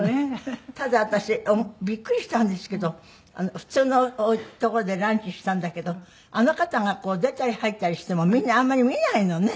ただ私びっくりしたんですけど普通の所でランチしたんだけどあの方が出たり入ったりしてもみんなあんまり見ないのね。